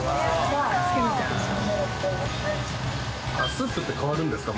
スープって変わるんですか？